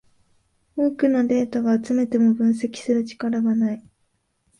多くのデータが集めても分析する力がない